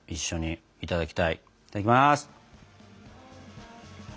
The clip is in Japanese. いただきます！